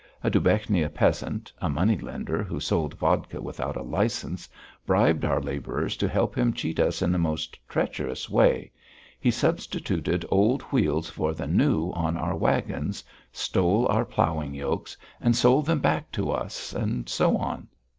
A Dubechnia peasant, a money lender, who sold vodka without a licence, bribed our labourers to help him cheat us in the most treacherous way; he substituted old wheels for the new on our wagons, stole our ploughing yokes and sold them back to us, and so on.